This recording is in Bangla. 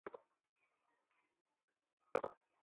আমি বিস্তারিত জানতে চাইব না।